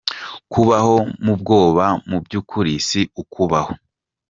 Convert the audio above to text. "Kubaho mu bwoba, mu by'ukuri si ukubaho.